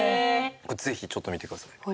これぜひちょっと見てください。